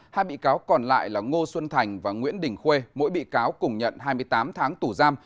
hai bị cáo còn lại là ngô xuân thành và nguyễn đình khuê mỗi bị cáo cùng nhận hai mươi tám tháng tù giam